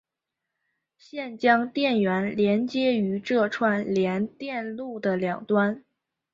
现将电源连接于这串联电路的两端。